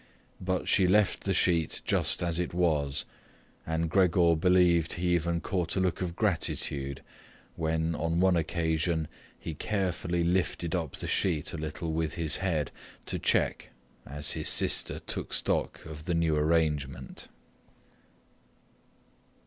But she left the sheet just as it was, and Gregor believed he even caught a look of gratitude when, on one occasion, he carefully lifted up the sheet a little with his head to check, as his sister took stock of the new arrangement.